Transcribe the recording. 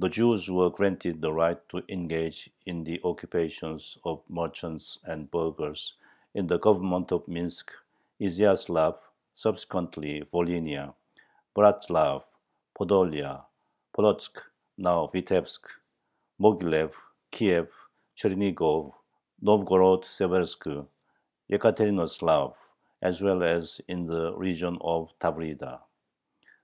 The Jews were granted the right "to engage in the occupations of merchants and burghers in the Governments of Minsk, Izyaslav (subsequently Volhynia), Bratzlav (Podolia), Polotzk (now Vitebsk), Moghilev, Kiev, Chernigov, Novgorod Seversk, Yekaterinoslav, as well as in the region of Tavrida."